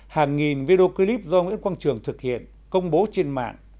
hàng nghìn video clip do nguyễn quang trường thực hiện công bố trên mạng